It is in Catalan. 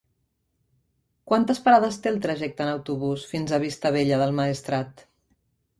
Quantes parades té el trajecte en autobús fins a Vistabella del Maestrat?